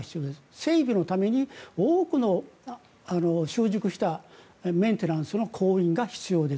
整備のために多くの習熟したメンテナンスの工員が必要です。